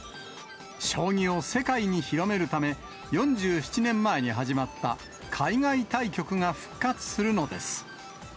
将棋を世界に広めるため、４７年前に始まった海外対局が復活するのです。